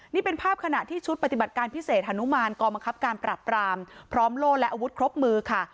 นี่เป็นภาพขณะที่ชุดปฏิบัติการพิเศษฮานุมานกองบังคับการปรับปรามพร้อมโล่และอาวุธครบมือค่ะ